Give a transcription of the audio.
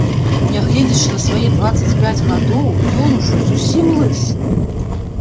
Нягледзячы на свае дваццаць пяць гадоў, ён ужо зусім лысы.